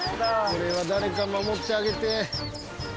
これは誰か守ってあげて。